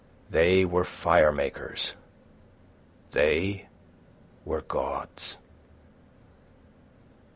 They were fire makers! They were gods.